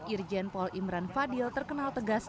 irjen pol imran fadil terkenal tegas